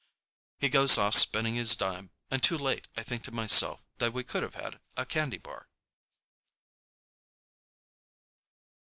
He goes off spinning his dime, and too late I think to myself that we could have had a candy bar.